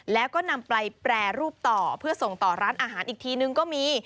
แล้วก็นำไปแปรรูปต่อเพื่อส่งต่อร้านอาหารอีกทีนึงก็มี